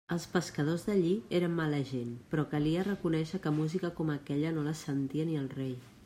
Els pescadors d'allí eren mala gent, però calia reconèixer que música com aquella no la sentia ni el rei.